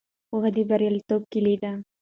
پوهه د بریالیتوب کیلي ده.